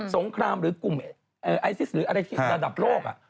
สงครามหรือกลุ่มไอซิสหรืออะไรที่ระดับโลก